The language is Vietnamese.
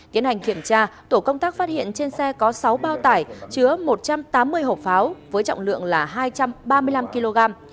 tiến hành kiểm tra tổ công tác phát hiện trên xe có sáu bao tải chứa một trăm tám mươi hộp pháo với trọng lượng là hai trăm ba mươi năm kg